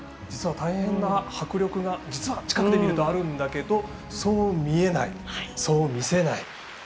大変な迫力が実は近くで見るとあるんだけどそう見えない、そう見せない。